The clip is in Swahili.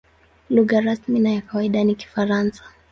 Lugha rasmi na ya kawaida ni Kifaransa.